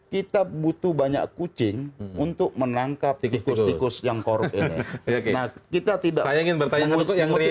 kita butuh banyak kucing untuk menangkap tikus tikus yang korup ini